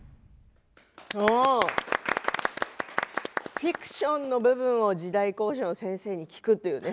フィクションの部分を時代考証の先生に聞くというね。